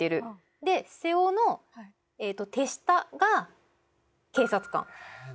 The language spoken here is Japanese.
で背尾の手下が警察官。